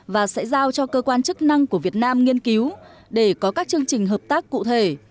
và sẽ giao cho cơ quan chức năng của việt nam nghiên cứu để có các chương trình hợp tác cụ thể